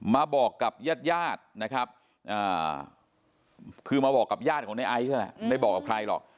มาบอกกับญาติญาตินะครับคือมาบอกกับญาติของในไอซ์นั่นแหละไม่บอกกับใครหรอก